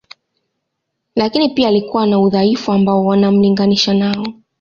Lakini pia alikuwa na udhaifu ambao wanamlinganisha nao